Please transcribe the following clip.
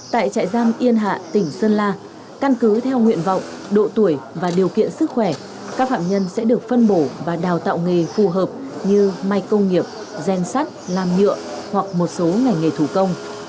tại trại giam yên hạ tỉnh sơn la căn cứ theo nguyện vọng độ tuổi và điều kiện sức khỏe các phạm nhân sẽ được phân bổ và đào tạo nghề phù hợp như may công nghiệp gen sắt làm nhựa hoặc một số ngành nghề thủ công